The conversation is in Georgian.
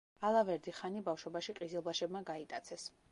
ალავერდი-ხანი ბავშვობაში ყიზილბაშებმა გაიტაცეს.